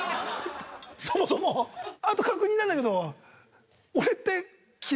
そもそもあと確認なんだけど。